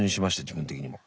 自分的にも。